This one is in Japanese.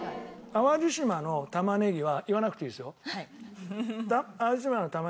淡路島の玉ねぎは言わなくていいですよ。